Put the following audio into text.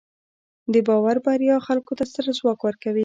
د باور بریا خلکو ته ستر ځواک ورکوي.